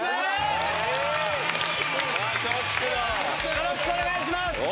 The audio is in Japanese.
よろしくお願いします。